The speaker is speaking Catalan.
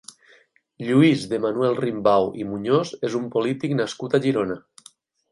Lluís de Manuel-Rimbau i Muñoz és un polític nascut a Girona.